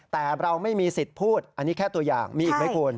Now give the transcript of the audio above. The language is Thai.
แต่เราไม่มีสิทธิ์พูดอันนี้แค่ตัวอย่างมีอีกไหมคุณ